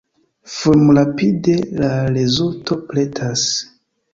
Fulmrapide la rezulto pretas.